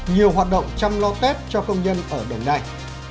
nhiều hoạt động chăm lo tết cho công nhân ở đồng nai